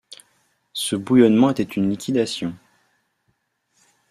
Ce bouillonnement était une liquidation.